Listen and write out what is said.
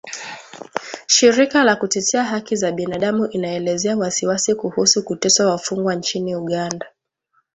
shirika la kutetea haki za binadamu inaelezea wasiwasi kuhusu kuteswa wafungwa nchini Uganda